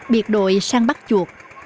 biệt đội săn bắt chuột